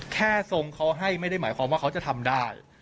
แค่ทรงเขาให้ไม่ได้หมายความว่าเขาจะทำได้